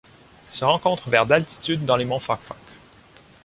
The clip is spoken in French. Elle se rencontre vers d'altitude dans les monts Fakfak.